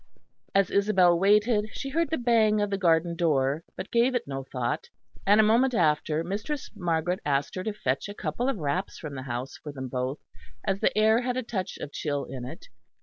As Isabel waited she heard the bang of the garden door, but gave it no thought, and a moment after Mistress Margaret asked her to fetch a couple of wraps from the house for them both, as the air had a touch of chill in it.